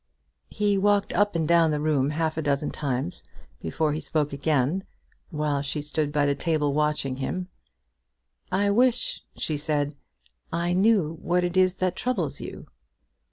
He walked up and down the room half a dozen times before he spoke again, while she stood by the table watching him. "I wish," she said, "I knew what it is that troubles you."